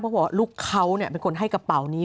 เพราะว่าลูกเขาเนี่ยเป็นคนให้กระเป๋านี้